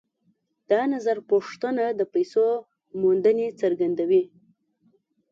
دا نظرپوښتنه د پیسو موندنې څرګندوي